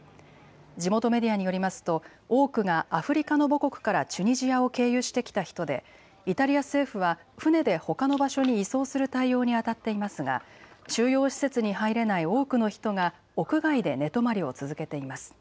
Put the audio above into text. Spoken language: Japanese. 地元メディアによりますと多くがアフリカの母国からチュニジアを経由してきた人でイタリア政府は船でほかの場所に移送する対応にあたっていますが収容施設に入れない多くの人が屋外で寝泊まりを続けています。